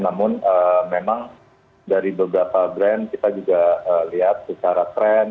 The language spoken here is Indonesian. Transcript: namun memang dari beberapa brand kita juga lihat secara trend